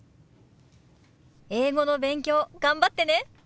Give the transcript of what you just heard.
英語の勉強頑張ってね。